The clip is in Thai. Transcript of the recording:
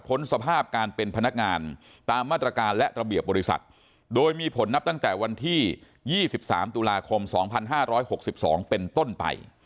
สภาพการเป็นพนักงานตามมาตรการและระเบียบบริษัทโดยมีผลนับตั้งแต่วันที่๒๓ตุลาคม๒๕๖๒เป็นต้นไป